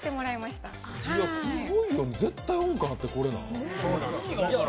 すごいよ、絶対音感があってこれなの？